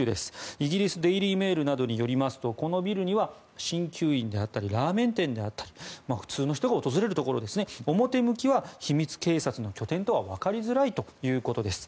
イギリスのデイリー・メールなどによりますとこのビルには鍼灸院であったりラーメン店であったり普通の人が訪れるところで表向きは秘密警察の拠点とは分かりづらいということです。